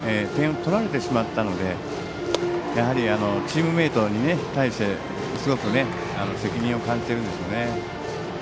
佐山君とすると非常に厳しい中で投げて点を取られてしまったのでやはりチームメートに対してすごく責任を感じているんでしょうね。